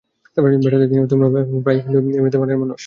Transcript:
Bat হাতে তিনি অতিমানব হয়ে ওঠেন প্রায়ই, কিন্তু এমনিতে মাটির মানুষ।